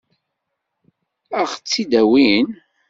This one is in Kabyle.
Ad ɣ-tt-id-awin?